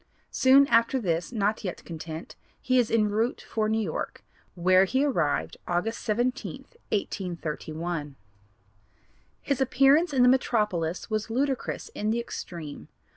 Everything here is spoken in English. Soon after this, not yet content, he is enroute for New York, where he arrived August 17, 1831. His appearance in the metropolis was ludicrous in the extreme.